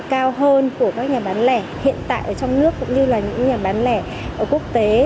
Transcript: cao hơn của các nhà bán lẻ hiện tại ở trong nước cũng như là những nhà bán lẻ ở quốc tế